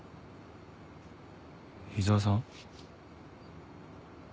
井沢さん？